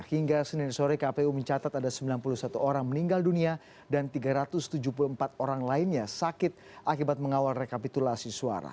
hingga senin sore kpu mencatat ada sembilan puluh satu orang meninggal dunia dan tiga ratus tujuh puluh empat orang lainnya sakit akibat mengawal rekapitulasi suara